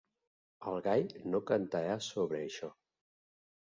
El gall no cantarà sobre això.